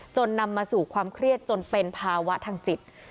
นำมาสู่ความเครียดจนเป็นภาวะทางจิต